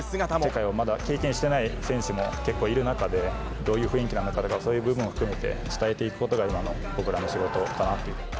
世界をまだ経験していない選手も結構いる中で、どういう雰囲気なのか、そういうことを伝えていくことが、今の僕らの仕事かなって。